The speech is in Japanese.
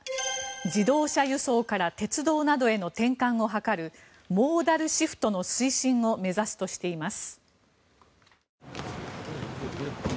自動車輸送から鉄道などへの転換を図るモーダルシフトの推進を目指すとしています。